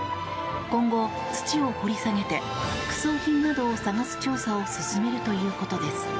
今後、土を掘り下げて副葬品などを探す調査を進めるということです。